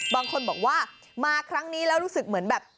บางคนบอกว่ามาครั้งนี้แล้วรู้สึกเหมือนแบบ